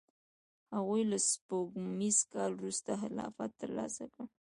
هغوی له سپوږمیز کال وروسته خلافت ترلاسه کړ.